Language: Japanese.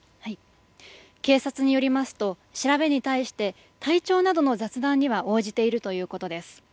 警察によりますと調べに対して体調などの雑談には応じているということです。